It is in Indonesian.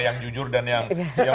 yang jujur dan yang